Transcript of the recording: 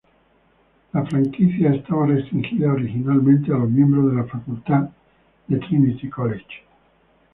La franquicia estaba restringida originalmente a los miembros de la facultad de Trinity College.